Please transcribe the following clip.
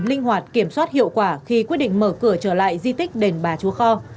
linh hoạt kiểm soát hiệu quả khi quyết định mở cửa trở lại di tích đền bà chúa kho